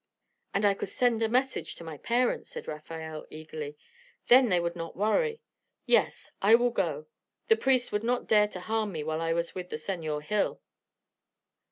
"And I could send a message to my parents," said Rafael, eagerly. "Then they would not worry. Yes, I will go. The priest would not dare to harm me while I was with the Senor Hill."